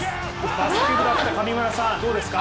バスケ部だった上村さん、どうですか？